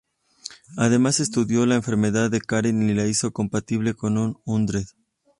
Además estudió la enfermedad de Karen y la hizo compatible con un Hundred.